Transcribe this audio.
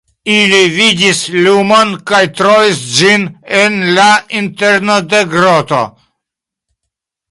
Ili vidis lumon kaj trovis ĝin en la interno de groto.